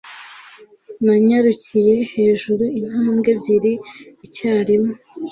Nanyarukiye hejuru intambwe ebyiri icyarimwe.